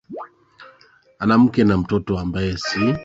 ana mke na na mtoto ambaye si